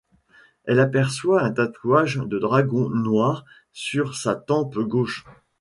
Elle aperçoit un tatouage de dragon noir sur sa tempe gauche.